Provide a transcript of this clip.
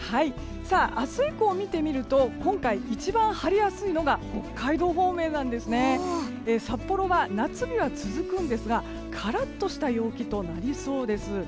明日以降を見てみると今回、一番晴れやすいのが北海道方面なんですね。札幌は夏日が続くんですがカラッとした陽気となりそうです。